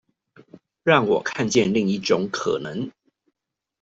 讓我看見另一種可能